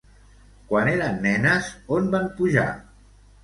Quan eren nenes, on van pujar?